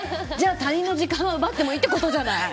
他人の時間は奪ってもいいってことじゃない。